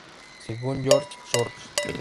Según George Soros,